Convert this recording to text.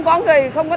ôi ôi ôi ôi